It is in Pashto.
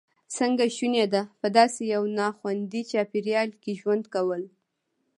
څنګه شونې ده په داسې یو ناخوندي چاپېریال کې ژوند کول.